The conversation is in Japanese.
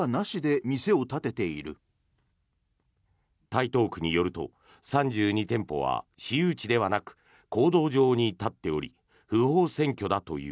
台東区によると３２店舗は私有地ではなく公道上に立っており不法占拠だという。